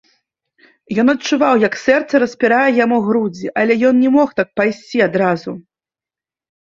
Ён адчуваў, як сэрца распірае яму грудзі, але ён не мог так пайсці адразу.